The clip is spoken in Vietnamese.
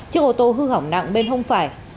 chiếc ô tô hư hỏng nặng bên hông phải